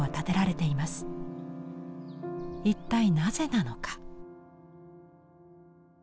一体なぜなのか。